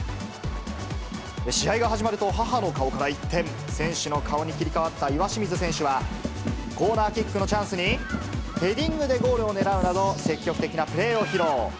試合が始まると、母の顔から一転、選手の顔に切り替わった岩清水選手は、コーナーキックのチャンスに、ヘディングでゴールをねらうなど、積極的なプレーを披露。